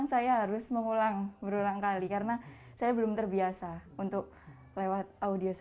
saya juga menggunakan audio karena saya belum terbiasa untuk menggunakan audio